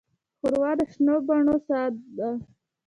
ښوروا د شنو بڼو ساه ده.